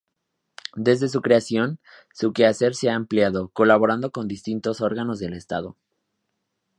Desde su creación su quehacer se ha ampliado, colaborando con distintos órganos del Estado.